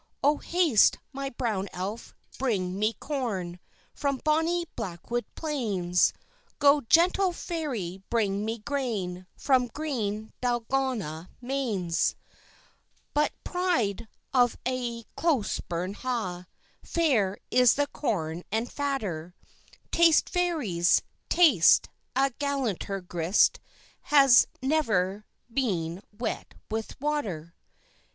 Oh, haste, my brown Elf, bring me corn From Bonnie Blackwood plains; Go, gentle Fairy, bring me grain From green Dalgona mains; But, pride of a' at Closeburn ha', Fair is the corn and fatter; Taste Fairies, taste, a gallanter grist Has never been wet with water.